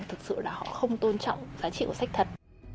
thực sự là họ không tôn trọng giá trị của sách thật